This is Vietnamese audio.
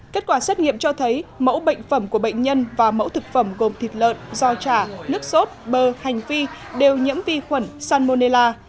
kết quả xét nghiệm cho thấy mẫu bệnh phẩm của bệnh nhân và mẫu thực phẩm gồm thịt lợn do trà nước sốt bơ hành phi đều nhiễm vi khuẩn salmonella